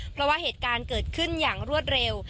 เพราะว่าเหตุการณ์เกิดขึ้นอย่างรวดเร็ว